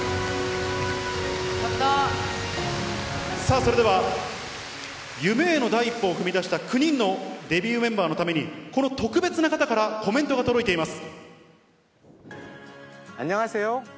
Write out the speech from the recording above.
さあ、それでは、夢への第一歩を踏み出した９人のデビューメンバーのために、この特別な方からコメントが届いています。